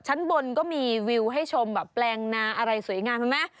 ชั้นบนก็มีวิวให้ชมแบบแปลงนาอะไรสวยงามเห็นไหม